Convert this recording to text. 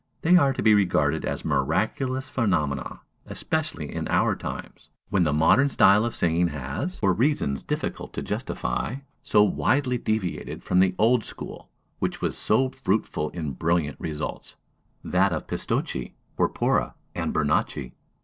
They are to be regarded as miraculous phenomena; especially in our times, when the modern style of singing has, for reasons difficult to justify, so widely deviated from the old school which was so fruitful in brilliant results, that of Pistocchi, Porpora, and Bernacchi.